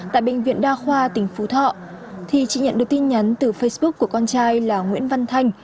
tại bệnh viện đa khoa tỉnh phú thọ thì chị nhận được tin nhắn từ facebook của con trai là nguyễn văn thanh